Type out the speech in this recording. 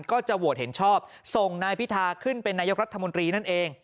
ก็จะโหวตเห็นชอบส่งนายพิธาขึ้นเป็นนายกรัฐมนตรีนั่นเอง